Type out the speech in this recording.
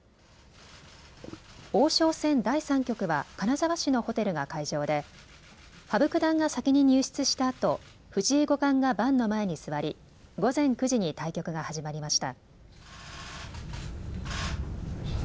王将戦第３局は金沢市のホテルが会場で羽生九段が先に入室したあと藤井五冠が盤の前に座り午前９時に対局が始まりました。